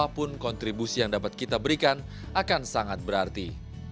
apapun kontribusi yang dapat kita berikan akan sangat berarti